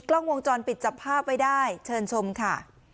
กล้องวงจรปิดจับภาพไว้ได้เชิญชมค่ะ